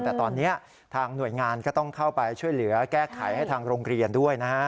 แต่ตอนนี้ทางหน่วยงานก็ต้องเข้าไปช่วยเหลือแก้ไขให้ทางโรงเรียนด้วยนะฮะ